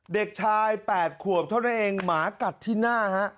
เด็กชาย๘ขวบเท่านั้นเองหมากัดที่หน้าฮะ